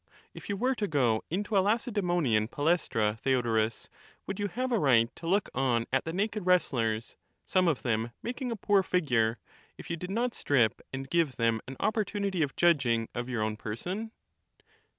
If you were to go into a Lacedaemonian palestra, Theodorus, would you have a right to look on at the naked wrestlers, some of them making a poor figure, if you did not strip and give them an opportunity of judging of your own person